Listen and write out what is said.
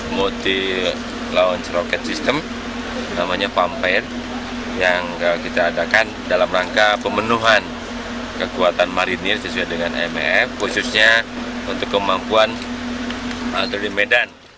ini adalah alusista terbaru tni angkatan laut yang dikendalikan secara digital